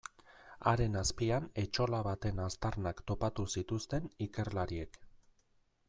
Haren azpian etxola baten aztarnak topatu zituzten ikerlariek.